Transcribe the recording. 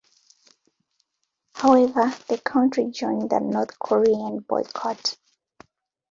However, the country joined the North Korean boycott.